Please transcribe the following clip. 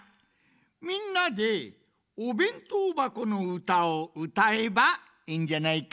みんなで「おべんとうばこのうた」をうたえばええんじゃないか？